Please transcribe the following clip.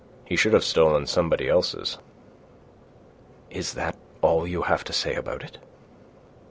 He should have stolen somebody else's." "Is that all you have to say about it?"